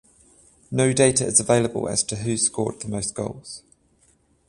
No data is available as to who scored the most goals.